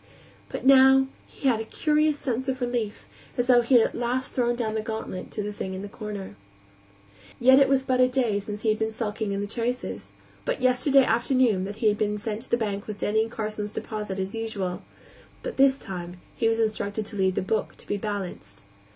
But now he had a curious sense of relief, as though he had at last thrown down the gauntlet to the thing in the corner. Yet it was but a day since he had been sulking in the traces; but yesterday afternoon that he had been sent to the bank with Denny & Carson's deposit, as usual but this time he was instructed to leave the book to be balanced.